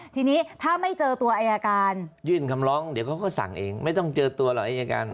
ทีนี้ถ้าไม่เจอตัวอายการยื่นคำร้องเดี๋ยวเขาก็สั่งเองไม่ต้องเจอตัวหรอกอายการ